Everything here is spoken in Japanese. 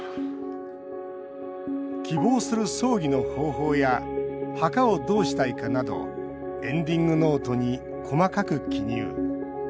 希望する葬儀の方法や墓をどうしたいかなどエンディングノートに細かく記入。